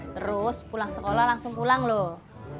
terus pulang sekolah langsung pulang loh